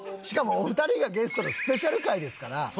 しかもお二人がゲストのスペシャル回ですから。